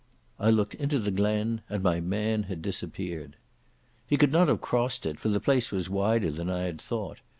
I looked into the glen and my man had disappeared. He could not have crossed it, for the place was wider than I had thought.